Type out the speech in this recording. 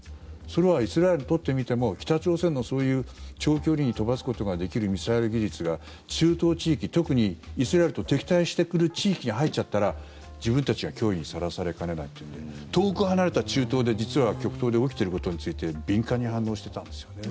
それはイスラエルにとってみても北朝鮮の、そういう長距離に飛ばすことができるミサイル技術が中東地域特にイスラエルと敵対してくる地域に入っちゃったら自分たちが脅威にさらされかねないというので遠く離れた中東で、実は極東で起きていることについて敏感に反応していたんですよね。